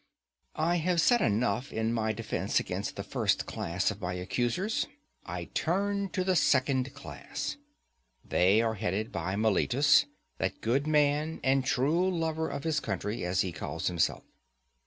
I have said enough in my defence against the first class of my accusers; I turn to the second class. They are headed by Meletus, that good man and true lover of his country, as he calls himself.